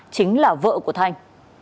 chính là vợ của thanh